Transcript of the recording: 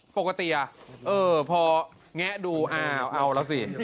ปกติอะเออพอแงะดูเอาแล้วสิ